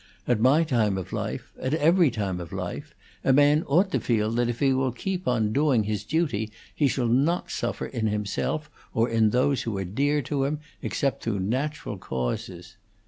At my time of life at every time of life a man ought to feel that if he will keep on doing his duty he shall not suffer in himself or in those who are dear to him, except through natural causes.